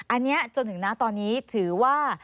อันนี้จนถึงนะตอนนี้ถือว่า